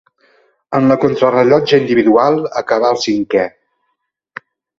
En la contrarellotge individual acabà el cinquè.